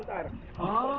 ini tadi yang salah apa nih